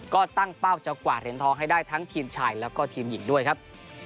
ก็ตั้งเป้าจะกวาดเหรียญทองให้ได้ทั้งทีมชายแล้วก็ทีมหญิงด้วยครับ